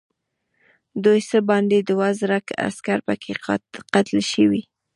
دوی څه باندې دوه زره عسکر پکې قتل شوي.